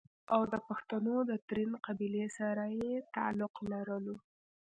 او دَپښتنو دَ ترين قبيلې سره ئې تعلق لرلو